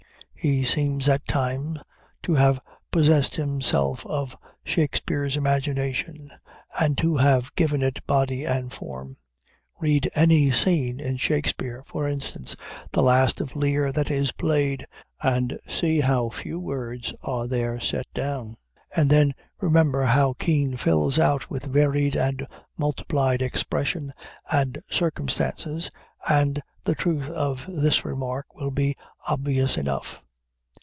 He seems, at the time, to have possessed himself of Shakspeare's imagination, and to have given it body and form. Read any scene in Shakspeare, for instance, the last of Lear that is played, and see how few words are there set down, and then remember how Kean fills out with varied and multiplied expression and circumstances, and the truth of this remark will be obvious enough.